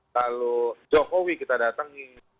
lalu jokowi kita datang ke